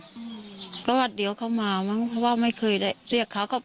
อืมก็ว่าเดี๋ยวเขามามั้งเพราะว่าไม่เคยได้เรียกเขาก็